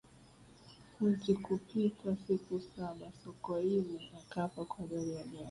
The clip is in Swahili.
hazikupita siku saba sokoine akafa kwa ajali ya gari